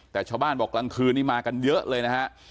แต่ชาวบ้านบอกกลางคืนนี้มากันเยอะเลยนะฮะ